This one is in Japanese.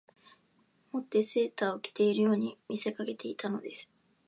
以てセーターを着ているように見せかけていたのです